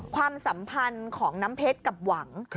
ความสัมพันธ์ของน้ำเพชรกับหวัง